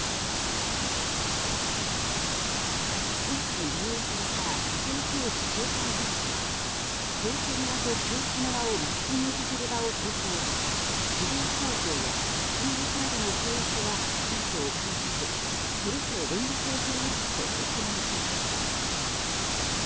今回利用された家庭教師紹介サイトは生徒側と教師側をマッチングさせる場を提供し指導方法や金額などの契約はサイトを介さずそれぞれ連絡を取り合って行うそうです。